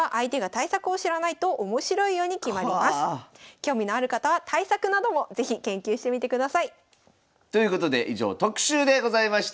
興味のある方は対策なども是非研究してみてください。ということで以上特集でございました。